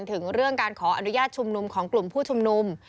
ถึงเรื่องการขออนุญาตชุมนุมของกลุ่มผู้ชุมนุม